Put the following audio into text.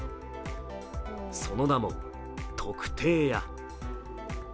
その名も特定屋。